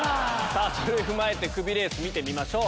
それを踏まえてクビレース見てみましょう。